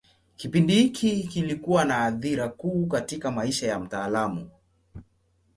Kipindi hiki kilikuwa na athira kuu katika maisha ya mtaalamu.